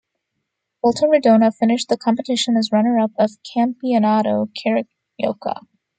Volta Redonda finished the competition as runner-up of Campeonato Carioca.